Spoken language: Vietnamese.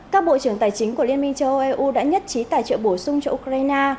các bộ trưởng tài chính của liên minh châu âu eu đã nhất trí tài trợ bổ sung cho ukraine